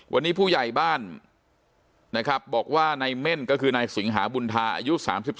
วันนี้ผู้ใหญ่บ้านนะครับบอกว่านายเม่นก็คือนายสิงหาบุญธาอายุ๓๒